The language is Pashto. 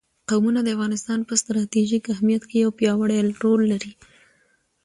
قومونه د افغانستان په ستراتیژیک اهمیت کې یو پیاوړی رول لري.